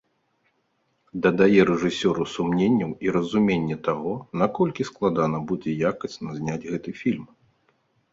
Дадае рэжысёру сумненняў і разуменне таго, наколькі складана будзе якасна зняць гэты фільм.